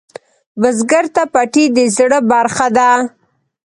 بزګر ته پټی د زړۀ برخه ده